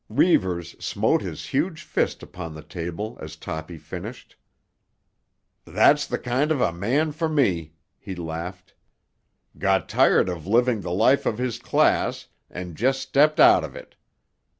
Reivers smote his huge fist upon the table as Toppy finished. "That's the kind of a man for me!" he laughed. "Got tired of living the life of his class, and just stepped out of it.